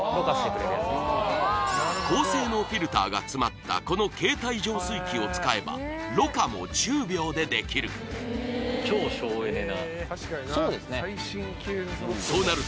高性能フィルターが詰まったこの携帯浄水器を使えばろ過も１０秒でできるそうなると